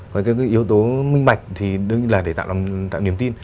còn cái yếu tố minh bạch thì đương nhiên là để tạo niềm tin